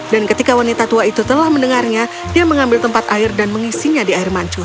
dan ketika wanita tua itu telah mendengarnya dia mengambil tempat air dan mengisinya di air mancur